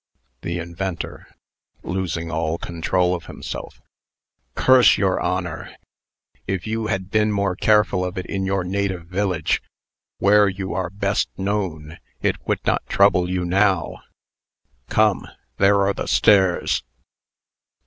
THE INVENTOR (losing all control of himself). "Curse your honor. If you had been more careful of it in your native village where you are best known it would not trouble you now. Come, there are the stairs."